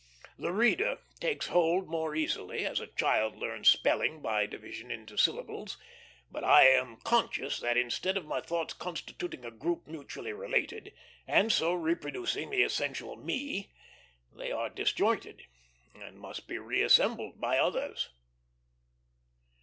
The reader takes hold more easily, as a child learns spelling by division into syllables; but I am conscious that instead of my thoughts constituting a group mutually related, and so reproducing the essential me, they are disjointed and must be reassembled by others.